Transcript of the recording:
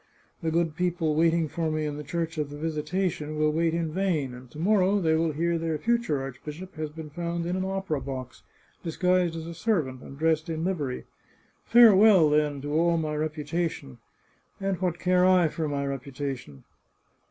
The good people waiting for me in the Church of the Visitation will wait in vain, and to morrow they will hear their future archbishop has been found in an opera box, disguised as a servant, and dressed in livery. Farewell, then, to all my reputation! And what care I for my reputation